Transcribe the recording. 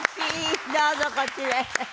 どうぞこちらへ。